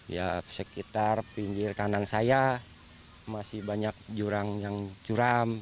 ya sekitar pinggir kanan saya masih banyak jurang yang curam